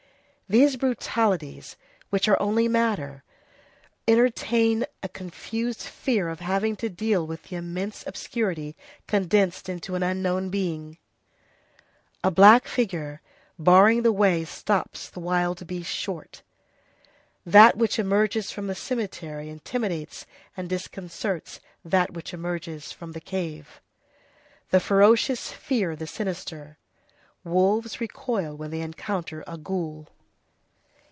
These brutalities, which are only matter, entertain a confused fear of having to deal with the immense obscurity condensed into an unknown being. A black figure barring the way stops the wild beast short. That which emerges from the cemetery intimidates and disconcerts that which emerges from the cave; the ferocious fear the sinister; wolves recoil when they encounter a ghoul.